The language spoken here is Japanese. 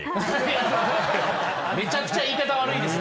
めちゃくちゃ言い方悪いですよ。